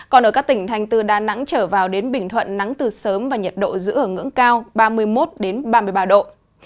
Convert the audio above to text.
còn ở các tỉnh thành từ đà nẵng trở vào đến bình thuận nắng từ sớm và nhiệt độ giữ ở ngưỡng cao ba mươi một ba mươi ba độ